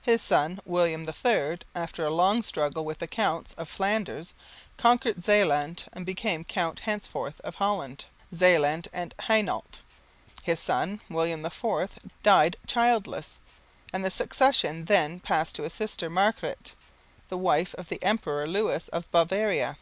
His son, William III, after a long struggle with the Counts of Flanders, conquered Zeeland and became Count henceforth of Holland, Zeeland and Hainault. His son, William IV, died childless; and the succession then passed to his sister Margaret, the wife of the Emperor Lewis of Bavaria.